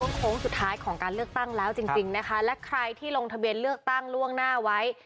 โค้งสุดท้ายของการเลือกตั้งแล้วจริงจริงนะคะและใครที่ลงทะเบียนเลือกตั้งล่วงหน้าไว้